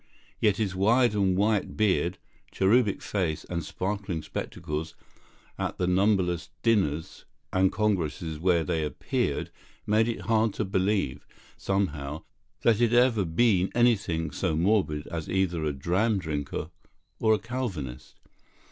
Yet his wide white beard, cherubic face, and sparkling spectacles, at the numberless dinners and congresses where they appeared, made it hard to believe, somehow, that he had ever been anything so morbid as either a dram drinker or a Calvinist.